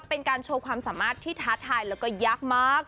เป็นการโชว์ความสามารถที่ท้าทายแล้วก็ยากมาก